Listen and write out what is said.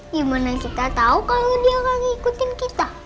gimana kita tahu kalau dia lagi ikutin kita